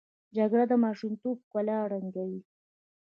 جګړه د ماشومتوب ښکلا ړنګوي